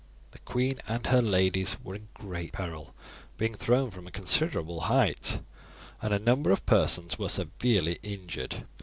The queen and her ladies were in great peril, being thrown from a considerable height, and a number of persons were severely injured.